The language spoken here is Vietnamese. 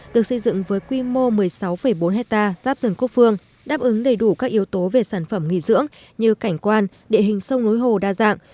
được xây dựng với quy mô một mươi sáu bốn hectare giáp rừng quốc phương đáp ứng đầy đủ các yếu tố về sản phẩm nghỉ dưỡng như cảnh quan địa hình sông núi hồ đa dạng